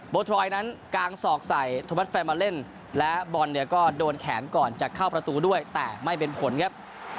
ทรอยด์นั้นกางศอกใส่ธวัดแฟนมาเล่นและบอลเนี่ยก็โดนแขนก่อนจะเข้าประตูด้วยแต่ไม่เป็นผลครับ